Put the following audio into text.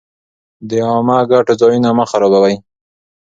د عامه ګټو ځایونه مه خرابوئ.